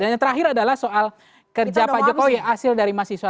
dan yang terakhir adalah soal kerja pak jokowi asil dari mahasiswa tadi saya sering nonton ya